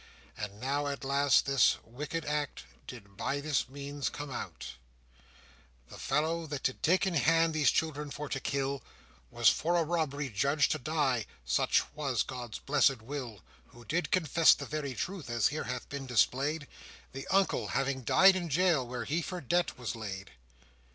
And now at last this wicked act Did by this means come out, The fellow that did take in hand These children for to kill, Was for a robbery judged to die, Such was God's blessèd will: Who did confess the very truth, As here hath been displayed: The uncle having died in jail, Where he for debt was laid.